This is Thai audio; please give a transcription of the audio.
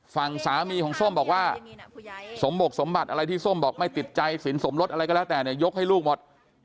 ฝั่งสามีของส้มบอกว่าสมบกสมบัติอะไรที่ส้มบอกไม่ติดใจสินสมรสอะไรก็แล้วแต่เนี่ยยกให้ลูกหมด